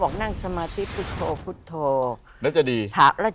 โอเคนั่งเกียรติมากอ่า